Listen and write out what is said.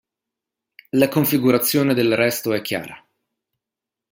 La configurazione del resto è chiara.